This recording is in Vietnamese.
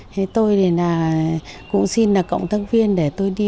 thế tôi thì là cũng xin là cộng tác viên để tôi đi